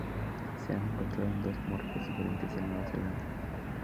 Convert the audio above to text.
Se ha encontrado en dos morfos diferentes en Nueva Zelanda.